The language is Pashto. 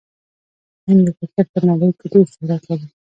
هند د کرکټ په نړۍ کښي ډېر شهرت لري.